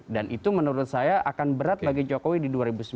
dan itu menurut saya akan berat bagi jokowi di dua ribu sembilan belas